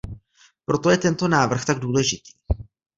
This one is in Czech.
Proto je tento návrh tak důležitý.